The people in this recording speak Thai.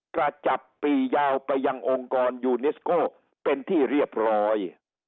กระจับปียาวไปยังองค์กรยูเนสโก้เป็นที่เรียบร้อย